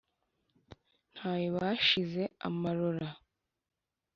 nta yo bashize amarora;